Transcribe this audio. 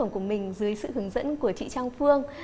của mình dưới sự hướng dẫn của chị trang phương